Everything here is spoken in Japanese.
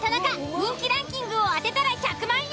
人気ランキングを当てたら１００万円！